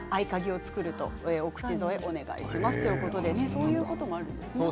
そういうこともあるんですね。